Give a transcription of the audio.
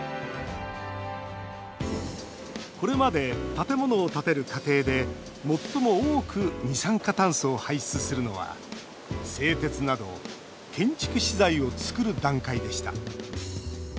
これまで建物を建てる過程で最も多く二酸化炭素を排出するのは製鉄など建築資材をつくる段階でした。